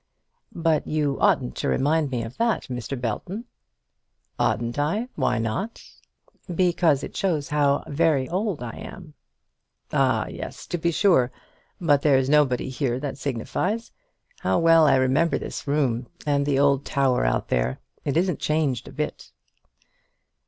"But you oughtn't to remind me of that, Mr. Belton." "Oughtn't I? Why not?" "Because it shows how very old I am." "Ah, yes; to be sure. But there's nobody here that signifies. How well I remember this room; and the old tower out there. It isn't changed a bit!"